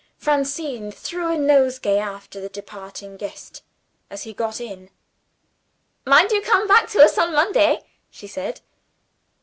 Francine threw a nosegay after the departing guest as he got in. "Mind you come back to us on Monday!" she said.